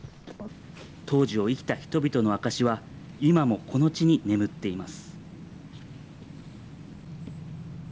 当時を生きた人々の証しは今も、この地に眠っています。